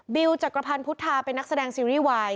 จักรพันธ์พุทธาเป็นนักแสดงซีรีส์วาย